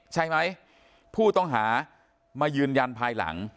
ใช่ไหมผู้ต้องหามายืนยันภายหลัง